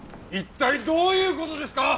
一体どういう事ですか！？